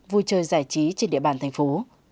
vui chơi giải trí trên địa bàn thành phố